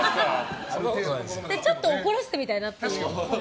ちょっと怒らせてみたいなって。